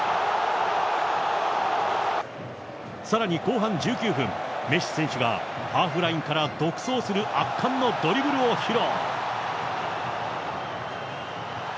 さらに後半１９分、メッシ選手がハーフラインから独走する圧巻のドリブルを披露。